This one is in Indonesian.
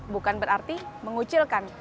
bukan berarti mengucilkan